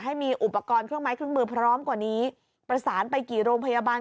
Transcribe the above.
ให้มีอุปกรณ์เครื่องไม้เครื่องมือพร้อมกว่านี้ประสานไปกี่โรงพยาบาล